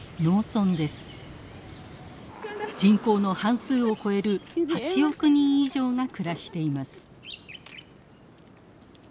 人口の半数を超える８億人以上が暮らしています。